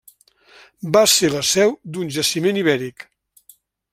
Va ser la seu d'un jaciment ibèric.